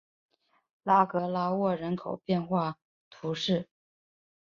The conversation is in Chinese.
拉格拉沃人口变化图示